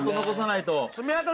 残さないと？